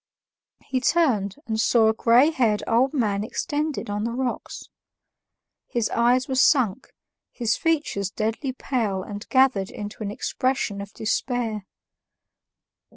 He turned, and saw a gray haired old man extended on the rocks. His eyes were sunk, his features deadly pale and gathered into an expression of despair.